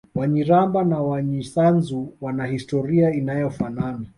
Wanyiramba na Wanyisanzu wana historia inayofanana